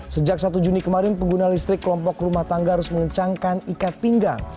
sejak satu juni kemarin pengguna listrik kelompok rumah tangga harus mengencangkan ikat pinggang